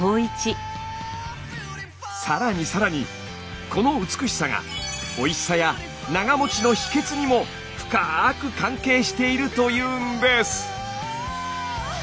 更に更にこの美しさがの秘けつにも深く関係しているというんです！